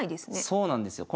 そうなんですよ。